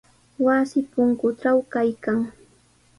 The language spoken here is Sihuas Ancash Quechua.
Wasi punkutraw kaykan.